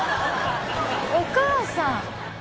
お母さん